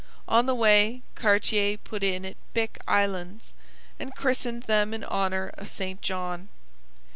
On the way Cartier put in at Bic Islands, and christened them in honour of St John.